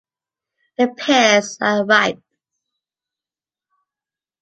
The pears are ripe.